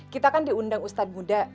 kita kan diundang ustadz muda